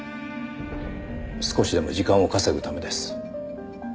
少しでも時間を稼ぐためです。